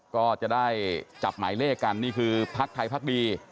ก็จะได้จับหมายเลขกันนี่คือพักไทยพักดี